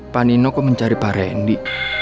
pak nino kok mencari pak randy